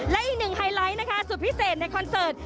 และอีกหนึ่งไฮไลท์นะคะสุดพิเศษในคอนเสิร์ต